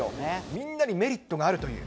みんなにメリットがあるという。